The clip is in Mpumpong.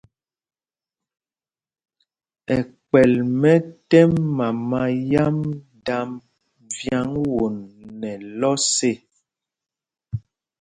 Ɛkpɛl mɛ tɛ́m mama yám dámb vyǎŋ won nɛ lɔs ê.